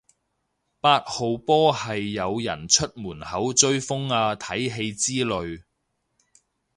八號波係有人出門口追風啊睇戲之類